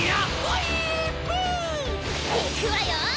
いくわよ！